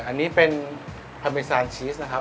อันนี้เป็นแฮมเบซานชีสนะครับ